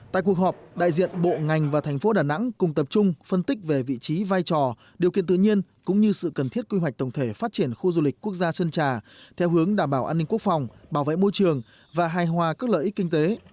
tại cuộc họp đại diện bộ ngành và thành phố đà nẵng cùng tập trung phân tích về vị trí vai trò điều kiện tự nhiên cũng như sự cần thiết quy hoạch tổng thể phát triển khu du lịch quốc gia sơn trà theo hướng đảm bảo an ninh quốc phòng bảo vệ môi trường và hài hòa các lợi ích kinh tế